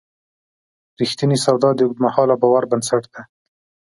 رښتینې سودا د اوږدمهاله باور بنسټ دی.